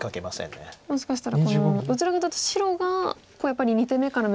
もしかしたらどちらかというと白がやっぱり２手目から。